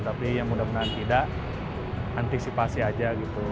tapi yang mudah mudahan tidak antisipasi aja gitu